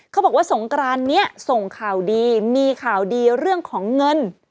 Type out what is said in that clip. เขาบอกว่าสงกรานนี้ส่งข่าวดีมีข่าวดีเรื่องของเงิน